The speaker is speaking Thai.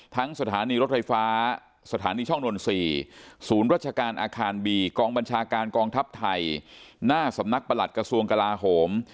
สถานีรถไฟฟ้าสถานีช่องนนทรีย์ศูนย์ราชการอาคารบีกองบัญชาการกองทัพไทยหน้าสำนักประหลัดกระทรวงกลาโหม